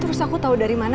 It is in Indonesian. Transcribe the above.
terus aku tahu dari mana